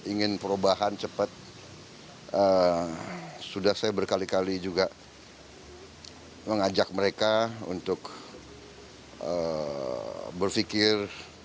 ingin perubahan cepat sudah saya berkali kali juga mengajak mereka untuk berpikir